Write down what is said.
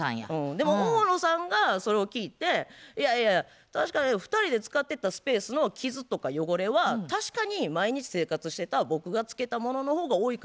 でも大野さんがそれを聞いていやいやいや確かに２人で使ってたスペースの傷とか汚れは確かに毎日生活してた僕がつけたものの方が多いかもしらん。